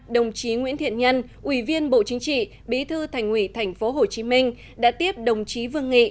đồng chí nguyễn thiện nhân ủy viên bộ chính trị bí thư thành ủy tp hcm đã tiếp đồng chí vương nghị